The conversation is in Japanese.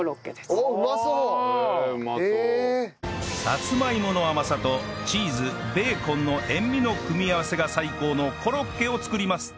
さつまいもの甘さとチーズベーコンの塩味の組み合わせが最高のコロッケを作ります